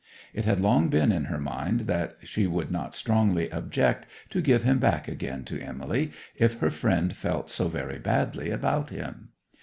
It had long been in her mind that she would not strongly object to give him back again to Emily if her friend felt so very badly about him.